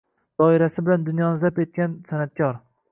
Doirasi bilan dunyoni zabt etgan san’atkor